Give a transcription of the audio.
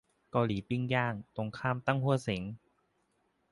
เกาหลีปิ้งย่าง ตรงข้ามตั้งฮั่วเส็ง